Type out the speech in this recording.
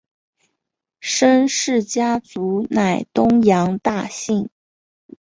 申氏家族乃东阳大姓。